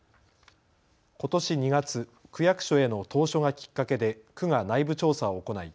ことし２月、区役所への投書がきっかけで区が内部調査を行い